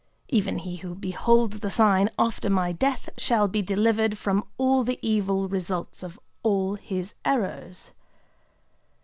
Even he who beholds the sign after my death shall be delivered from all the evil results of all his errors."